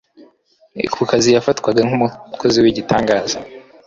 Ku kazi yafatwaga nk'umukozi w'igitangaza,